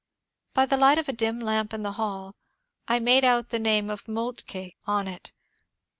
By the light of a dim lamp in the hall I made out the name of Moltke on it.